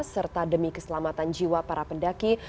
serta demi keselamatan jiwa para pendaki